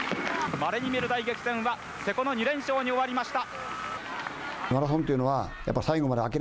まれに見る大激戦は瀬古の２連勝に終わりました。